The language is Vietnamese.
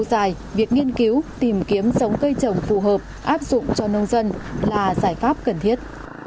sau đó việc nghiên cứu tìm kiếm sống cây trồng phù hợp áp dụng cho nông dân là giải pháp cần thiết